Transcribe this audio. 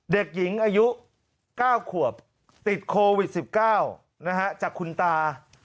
เด็กหญิงอายุ๙ขวบติดโควิด๑๙จากคุณตา